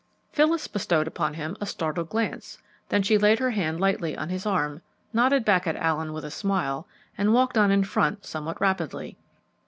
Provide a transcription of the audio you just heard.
Phyllis bestowed upon him a startled glance, then she laid her hand lightly on his arm, nodded back at Allen with a smile, and walked on in front somewhat rapidly.